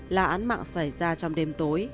là án mạng xảy ra trong đêm tối